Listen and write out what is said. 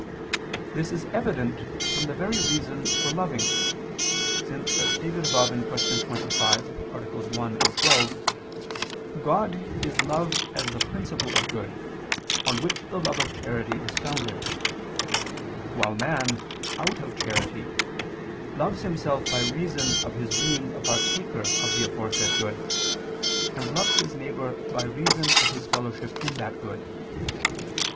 This is evident from the very reason for loving: since, as stated above (Q. 25, AA. 1, 12), God is loved as the principle of good, on which the love of charity is founded; while man, out of charity, loves himself by reason of his being a partaker of the aforesaid good, and loves his neighbor by reason of his fellowship in that good.